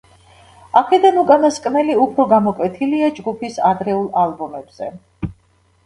აქედან უკანასკნელი უფრო გამოკვეთილია ჯგუფის ადრეულ ალბომებზე.